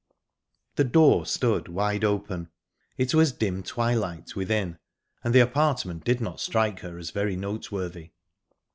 The door stood wide open. It was dim twilight within, and the apartment did not strike her as very noteworthy.